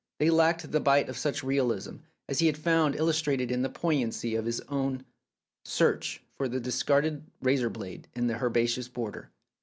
They lacked the bite of such realism as he had found illustrated in the poignancy of his own search for the discarded razor blade in the herbaceous border.